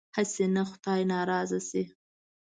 هسې نه خدای ناراضه شي.